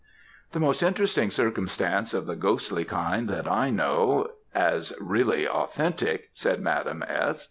"The most interesting circumstance of the ghostly kind that I know, as really authentic," said Madame S.